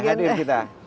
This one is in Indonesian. bukan hanya hadir kita